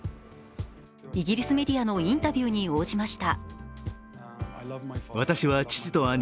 イギリスメディアのインタビューに応じました。